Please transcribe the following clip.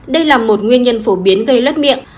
đây là một nguyên nhân phổ biến gây lất miệng